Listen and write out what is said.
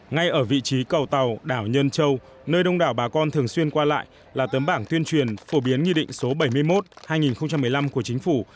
ngay ở vị trí cầu tàu đảo nhân châu nơi đông đảo bà con thường xuyên qua lại là tấm bảng tuyên truyền phổ biến nghị định số bảy mươi một hai nghìn một mươi năm của chính phủ